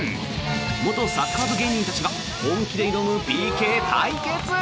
元サッカー部芸人たちが本気で挑むＰＫ対決。